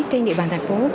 trên địa bàn thành phố